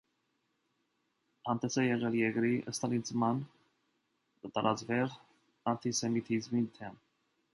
Հանդես է եկել երկրի «ստալինացման», տարածվեղ անտիսեմիտիզմի դեմ։